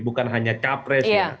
bukan hanya cawapres